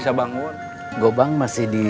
menyebabkan tidak bermain gadis